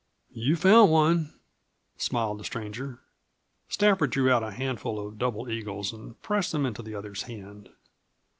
"You've found one," smiled the stranger. Stafford drew out a handful of double eagles and pressed them into the other's hand.